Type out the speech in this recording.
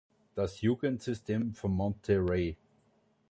Das Jugendsystem von Monterrey.